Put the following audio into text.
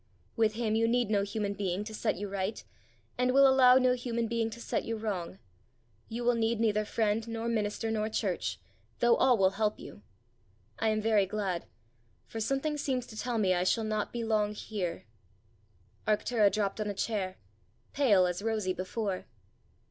With him you need no human being to set you right, and will allow no human being to set you wrong; you will need neither friend nor minister nor church, though all will help you. I am very glad, for something seems to tell me I shall not be long here." Arctura dropped on a chair pale as rosy before.